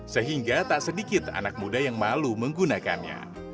sehingga tak sedikit anak muda yang malu menggunakannya